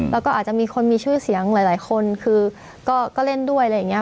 แล้วก็อาจจะมีคนมีชื่อเสียงหลายคนคือก็เล่นด้วยอะไรอย่างนี้